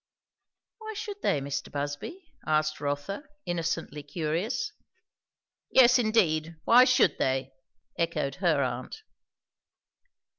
"Why should they, Mr. Busby?" asked Rotha, innocently curious. "Yes indeed, why should they?" echoed her aunt.